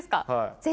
ぜひ。